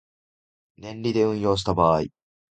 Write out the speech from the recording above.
年利で運用した場合